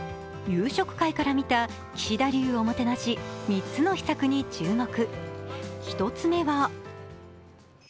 夕食会から見た岸田流おもてなし３つの秘策に注目。